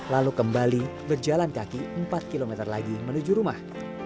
lalu kembali berjalan kaki empat km lagi menuju rumah